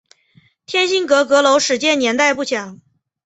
天心阁阁楼始建年代不详。